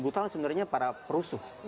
butal sebenarnya para perusuh